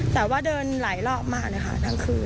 แต่ว่าเดินหลายรอบมากเลยค่ะทั้งคืน